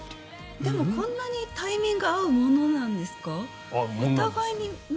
でもこんなにタイミングが合うものなんですか？